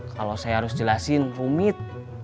kalau saya harus jelasin rumit